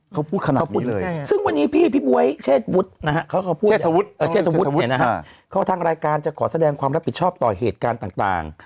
เขาพูดขนาดเขาพูดเลยซึ่งวันนี้พี่พี่บ๊วยเชษวุฒินะฮะเขาก็พูดเชษฐวุฒินะฮะเขาทางรายการจะขอแสดงความรับผิดชอบต่อเหตุการณ์ต่าง